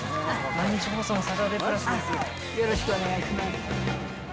よろしくお願いします。